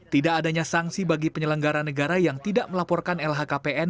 tidak adanya sanksi bagi penyelenggara negara yang tidak melaporkan lhkpn